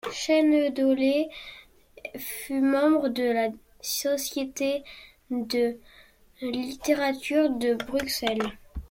Chênedollé fut membre de la Société de littérature de Bruxelles.